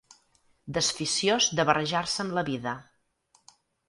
Desficiós de barrejar-se amb la vida.